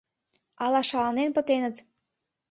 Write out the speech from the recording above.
Ала шаланен пытеныт.